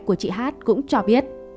của chị h cũng cho biết